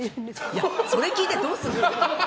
いや、それ聞いてどうするの？